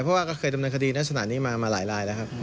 เพราะว่าก็เคยดำเนินคดีลักษณะนี้มาหลายลายแล้วครับ